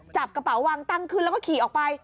เก๋วเวางลงไปตั้งคืนแล้วก็ขี่ออกไป